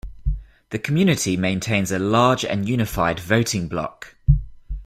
The community maintains a large and unified voting block.